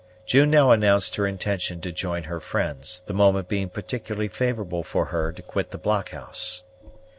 June now announced her intention to join her friends, the moment being particularly favorable for her to quit the blockhouse.